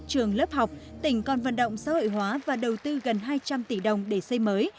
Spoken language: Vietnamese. trường lớp học tỉnh còn vận động xã hội hóa và đầu tư gần hai trăm linh tỷ đồng để xây mới